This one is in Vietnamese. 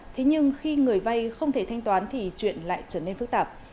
thế nhưng khi người vay không thể thanh toán thì chuyện lại trở nên phức tạp